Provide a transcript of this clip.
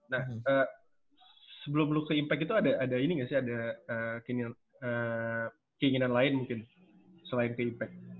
nah sebelum low ke impact itu ada ini nggak sih ada keinginan lain mungkin selain ke impact